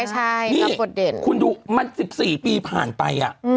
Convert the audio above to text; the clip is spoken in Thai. ใช่นับบทเด่นนี่คุณดูมัน๑๔ปีผ่านไป